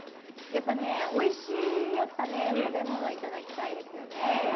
やっぱりおいしい食べ物、いただきたいですよね。